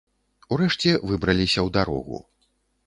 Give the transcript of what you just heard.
Урэшце выбраліся ў дарогу.